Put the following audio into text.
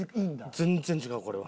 全然違うこれは。